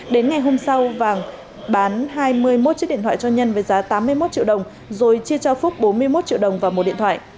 đến ngày hôm sau vàng bán hai mươi một chiếc điện thoại cho nhân với giá tám mươi một triệu đồng rồi chia cho phúc bốn mươi một triệu đồng vào một điện thoại